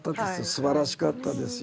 すばらしかったですよ。